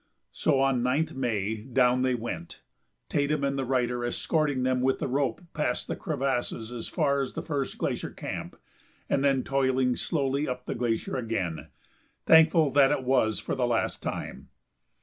So on 9th May down they went, Tatum and the writer escorting them with the rope past the crevasses as far as the first glacier camp, and then toiling slowly up the glacier again, thankful that it was for the last time.